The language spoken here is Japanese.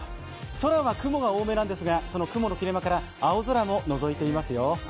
空は雲が多めなんですがその雲の合間から青空が広がっていますよ。